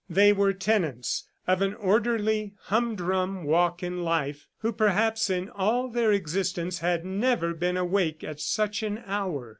They were tenants, of an orderly, humdrum walk in life, who perhaps in all their existence had never been awake at such an hour.